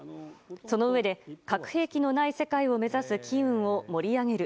そのうえで核兵器のない世界を目指す機運を盛り上げる。